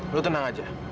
lo tenang aja